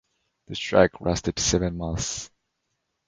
The strike lasted seven months.